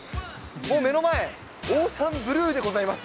もう目の前、オーシャンブルーでございます。